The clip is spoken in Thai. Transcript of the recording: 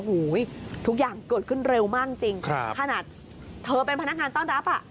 โอ้โหทุกอย่างเกิดขึ้นเร็วมากจริงครับขนาดเธอเป็นพนักงานต้อนรับอ่ะ